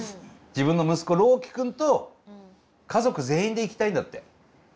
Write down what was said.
自分の息子朗希くんと家族全員で行きたいんだって。